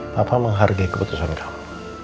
papa menghargai keputusan kamu